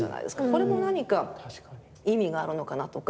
これも何か意味があるのかなとか。